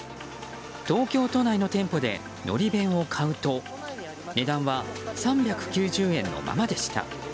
東京都内の店舗でのり弁を買うと値段は３９０円のままでした。